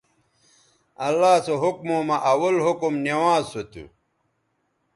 اللہ سو حکموں مہ اول حکم نوانز سو تھو